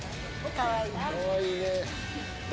かわいいね。